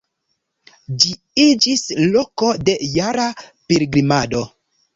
Ĝi iĝis loko de jara pilgrimado.